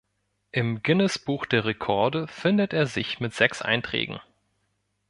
Im Guinness-Buch der Rekorde findet er sich mit sechs Einträgen.